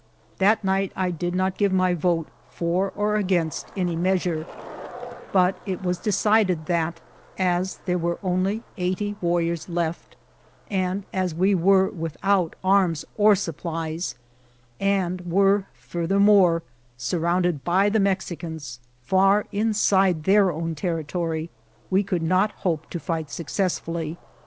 That night I did not give my vote for or against any measure ; but it was decided that as there were only eighty warriors left, and as we were without arms or supplies, and were furthermore surrounded by the Mex 44 KAS KI YEH icans far inside their own territory, we could not hope to fight successfully.